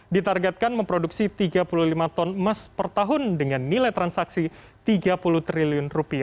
ditargetkan memproduksi tiga puluh lima ton emas per tahun dengan nilai transaksi rp tiga puluh triliun